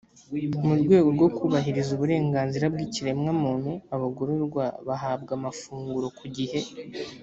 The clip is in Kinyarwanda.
mu rwego rwo kubahiriza uburenganzira bw’ikiremwamuntu abagororwa bahabwa amafunguro ku gihe